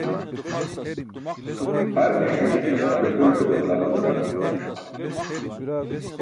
Har ni̇ṣi̇ ẓakunate balda.